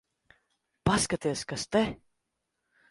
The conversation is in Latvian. Paskaties, kas te...